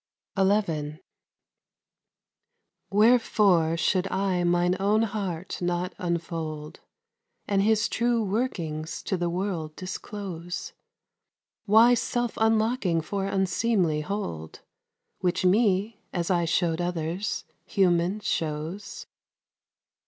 XI Wherefore should I mine own heart not unfold, And his true workings to the world disclose? Why self unlocking for unseemly hold, Which me, as I show'd others, human shows?